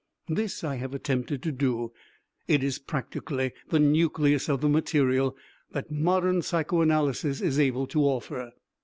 This I have attempted to do; it is practically the nucleus of the material that modern psychoanalysis is able to offer.